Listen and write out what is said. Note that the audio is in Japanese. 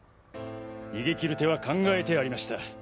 逃げ切る手は考えてありました。